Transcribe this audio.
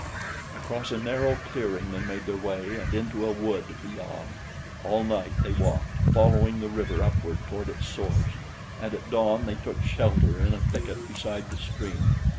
Across a narrow clearing they made their way and into a wood beyond. All night they walked, following the river upward toward its source, and at dawn they took shelter in a thicket beside the stream.